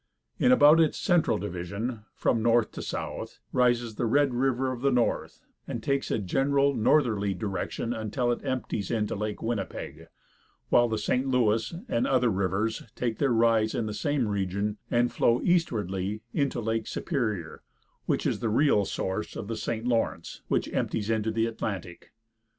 In about its center division, from north to south, rises the Red River of the North, and takes a general northerly direction until it empties into Lake Winnipeg, while the St. Louis and other rivers take their rise in the same region and flow eastwardly into Lake Superior, which is the real source of the St. Lawrence, which empties into the Atlantic.